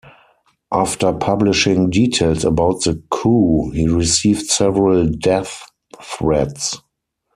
After publishing details about the coup, he received several death threats.